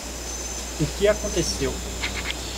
O que aconteceu?